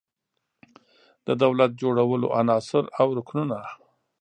د دولت جوړولو عناصر او رکنونه